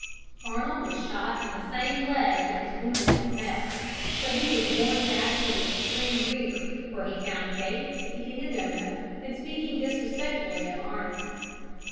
Arnold was shot in the same leg that was wounded at Quebec; so he was borne back to the extreme rear, where he found Gates eating a doughnut and speaking disrespectfully of Arnold.